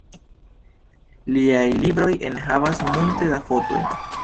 Liaj libroj enhavas multe da fotoj.